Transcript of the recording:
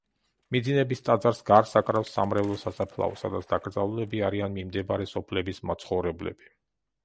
მიძინების ტაძარს გარს აკრავს სამრევლო სასაფლაო, სადაც დაკრძალულები არიან მიმდებარე სოფლების მაცხოვრებლები.